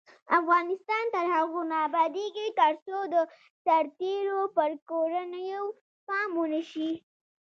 افغانستان تر هغو نه ابادیږي، ترڅو د سرتیرو پر کورنیو پام ونشي.